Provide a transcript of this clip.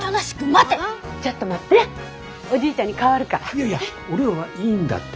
いやいや俺はいいんだって。